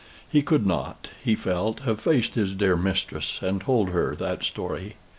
He could not, he felt, have faced his dear mistress, and told her that story.